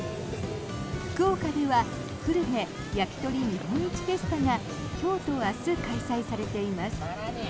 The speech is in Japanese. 福岡では久留米焼きとり日本一フェスタが今日と明日、開催されています。